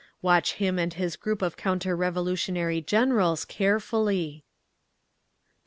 Watch him and his group of counter revolutionary Generals carefully…." 20.